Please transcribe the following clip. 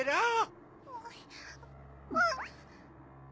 あっ。